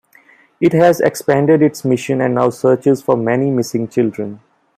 It has expanded its mission and now searches for many missing children.